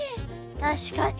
確かに。